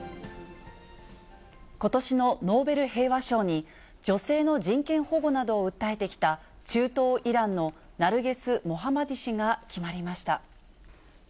ことしのノーベル平和賞に、女性の人権保護などを訴えてきた中東イランのナルゲス・モハマディ氏が決まりました。